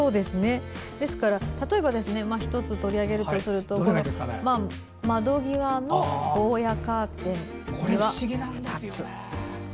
ですから、例えば１つ取り上げるとすると「窓際のゴーヤカーテン実は二つ」。